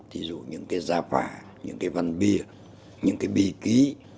thí dụ những cái gia phà những cái văn bia những cái bì ký